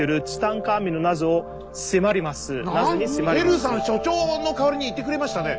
ヘルーさん所長の代わりに言ってくれましたね。